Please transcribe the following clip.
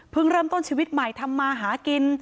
เริ่มต้นชีวิตใหม่ทำมาหากิน